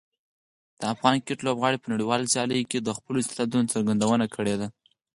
د افغان کرکټ لوبغاړي په نړیوالو سیالیو کې د خپلو استعدادونو څرګندونه کړې ده.